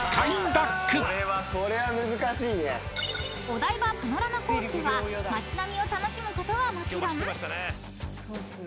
［お台場パノラマコースでは街並みを楽しむことはもちろん］